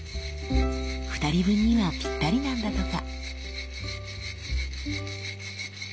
２人分にはぴったりなんだとか。